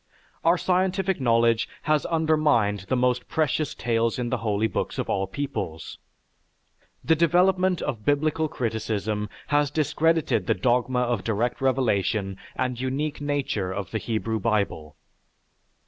Our scientific knowledge has undermined the most precious tales in the holy books of all peoples. The development of biblical criticism has discredited the dogma of direct revelation and unique nature of the Hebrew Bible.